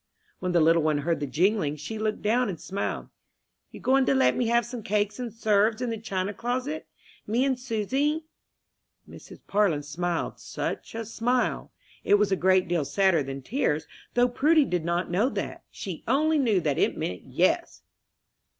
When the little one heard the jingling, she looked down and smiled. "You goin' to let me have some cake and 'serves in the china closet, me and Susy?" Mrs. Parlin smiled such a smile! It was a great deal sadder than tears, though Prudy did not know that she only knew that it meant "yes."